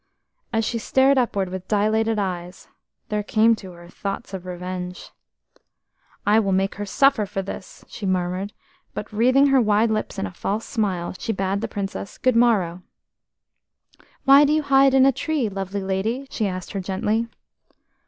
As she stared upward with dilated eyes, there came to her thoughts of revenge. "I will make her suffer for this," she murmured, but wreathing her wide lips in a false smile, she bade the Princess "Good morrow." "Why do you hide in a tree, lovely lady?" she asked her gently.